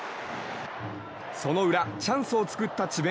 その裏、チャンスを作った智弁